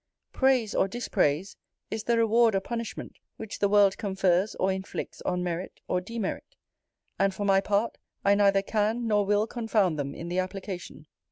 Praise or dispraise, is the reward or punishment which the world confers or inflicts on merit or demerit; and, for my part, I neither can nor will confound them in the application.